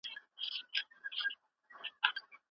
لندن د افغانستان د نوي حکومت په اړه کومې اندېښنې لري؟